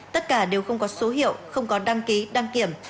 tất cả đều không có số hiệu không có đăng ký đăng kiểm